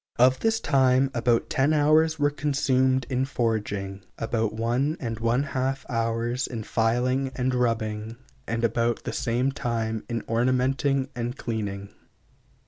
Of this time, about ten hours were consumed in forging, about one and one half hours in filing and rubbing, and about the same time in ornamenting and cleaning.